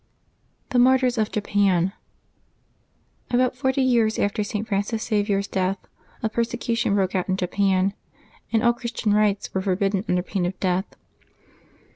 THE MARTYRS OF JAPAN. HBOUT forty years after St. Francis Xavier's death a persecution broke out in Japan, and all Christian rites were forbidden under pain of death.